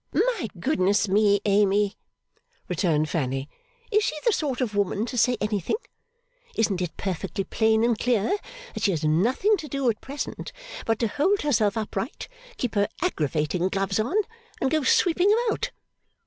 'My goodness me, Amy,' returned Fanny, 'is she the sort of woman to say anything? Isn't it perfectly plain and clear that she has nothing to do at present but to hold herself upright, keep her aggravating gloves on, and go sweeping about?